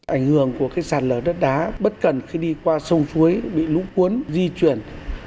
ảnh hưởng của sạt lờ đất đá bất cần khi đi qua sông chuối bị lũ cuốn di chuyển